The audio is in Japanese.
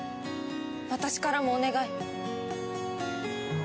私からもお願い。